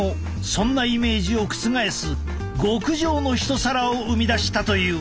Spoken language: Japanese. そんなイメージを覆す極上の一皿を生み出したという。